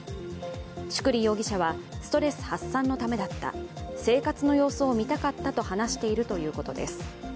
宿利容疑者は、ストレス発散のためだった、生活の様子を見たかったと話しているということです。